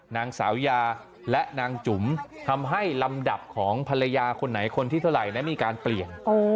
นางสาวยาและนางจุ๋มทำให้ลำดับของภรรยาคนไหนคนที่เท่าไหร่นะมีการเปลี่ยน